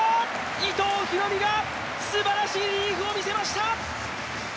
伊藤大海がすばらしいリリーフを見せました！